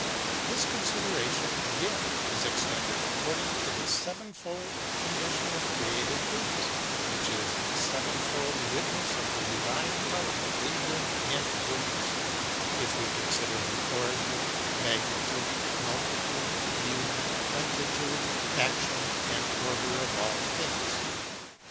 This consideration, asrain, is extended accordinii; to the sevenfold condition of created things, which is the sevenfold witness of the divine power, wisdom, and goodness, if we consider the origin, magnitude, multitude, beauty, plenitude, action, and order of all things.